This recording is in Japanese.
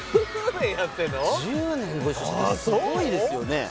すごいですよね？